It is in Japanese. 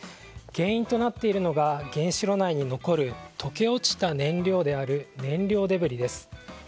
原因となっているのが原子炉内に残る溶け落ちた燃料である燃料デブリです。